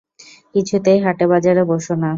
কিছুতেই হাটে-বাজারে বসো না।